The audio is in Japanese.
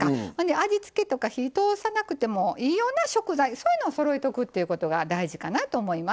味付けとか火を通さなくてもいいような食材そういうのをそろえておくということが大事かなと思います。